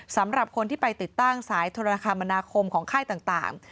สำหรับคนที่ไปติดตั้งสายโทรคมนาคมของค่ายต่าง